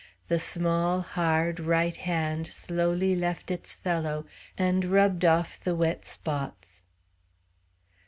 The small, hard, right hand slowly left its fellow, and rubbed off the wet spots.